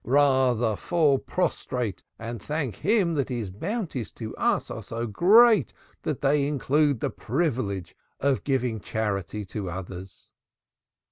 Rather fall prostrate and thank Him that His bounties to us are so great that they include the privilege of giving charity to others."